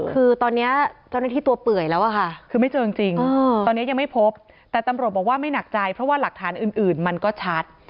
คือตอนนี้เจ้าหน้าที่ตัวเปื่อยแล้วอะค่ะคือไม่เจอจริงตอนนี้ยังไม่พบแต่ตำรวจบอกว่าไม่หนักใจเพราะว่าหลักฐานอื่นมันก็ชัด